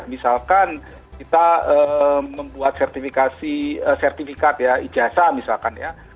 misalkan kita membuat sertifikasi sertifikat ya ijazah misalkan ya